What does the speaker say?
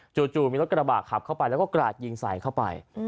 จู่มีรถกระบะขับเข้าไปแล้วก็กราดยิงใส่เข้าไป